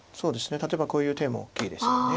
例えばこういう手も大きいですよね。